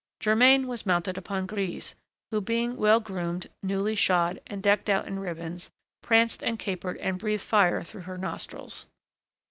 Germain was mounted upon Grise, who, being well groomed, newly shod, and decked out in ribbons, pranced and capered and breathed fire through her nostrils.